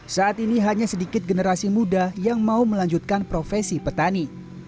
saat ini hanya sedikit generasi muda yang mau melanjutkan profesi petani